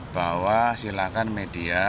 bahwa silakan media